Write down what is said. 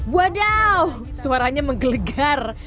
wadaw suaranya menggelegar